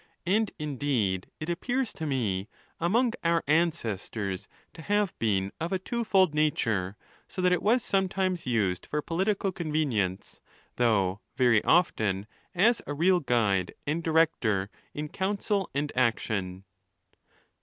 And, indeed, it appears to me, among our ancestors to have been of a twofold nature, so that it was sometimes used for political convenience, though very often as a real guide and director in counsel and action.